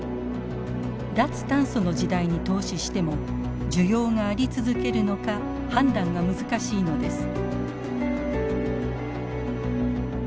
脱炭素の時代に投資しても需要があり続けるのか判断が難しいのです。